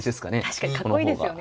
確かにかっこいいですよね。